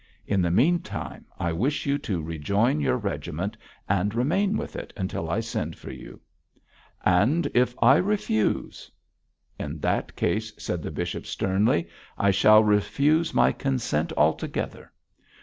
In the meantime, I wish you to rejoin your regiment and remain with it until I send for you.' 'And if I refuse?' 'In that case,' said the bishop, sternly, 'I shall refuse my consent altogether.